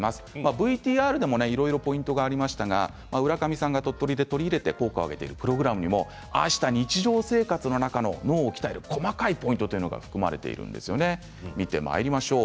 ＶＴＲでも、いろいろポイントがありましたが浦上さんが鳥取で取り入れて効果を上げているプログラムもああした日常生活の脳を鍛える細かいポイントは含まれているんです。